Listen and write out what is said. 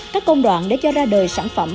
các công đoạn để cho ra đời sản phẩm